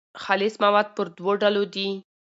خالص مواد پر دوو ډولو دي.